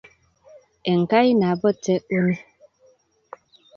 Enkai nabo te uni